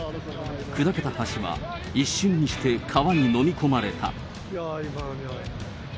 砕けた橋は一瞬にして川に飲み込まれた。